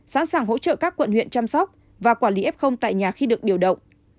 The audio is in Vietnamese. sẵn sàng hỗ trợ các quận huyện chăm sóc và quản lý f tại nhà khi được điều động